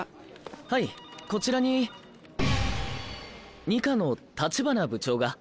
はいこちらに二課の橘部長が。